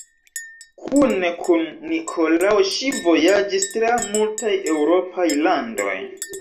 Kune kun Nikolao ŝi vojaĝis tra multaj eŭropaj landoj.